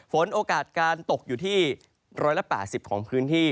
โอกาสการตกอยู่ที่๑๘๐ของพื้นที่